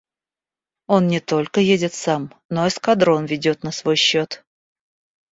Он не только едет сам, но эскадрон ведет на свой счет.